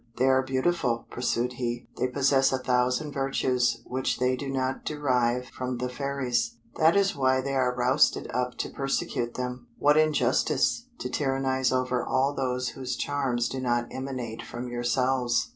"They are beautiful," pursued he; "they possess a thousand virtues which they do not derive from the fairies; that is why they are roused up to persecute them. What injustice, to tyrannize over all those whose charms do not emanate from yourselves."